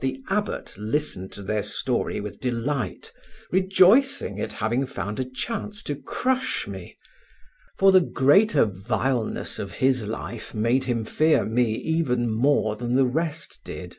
The abbot listened to their story with delight, rejoicing at having found a chance to crush me, for the greater vileness of his life made him fear me more even than the rest did.